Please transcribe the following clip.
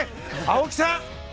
青木さん。